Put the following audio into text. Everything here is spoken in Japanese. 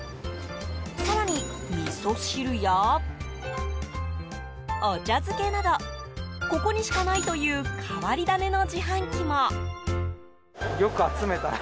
更に、みそ汁やお茶漬けなどここにしかないという変わり種の自販機も。